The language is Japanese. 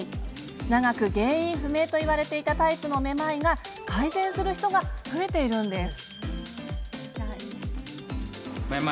長く原因不明といわれていたタイプのめまいが改善する人が増えているんです。